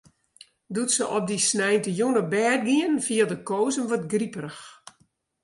Doe't se op dy sneintejûn op bêd giene, fielde Koos him wat griperich.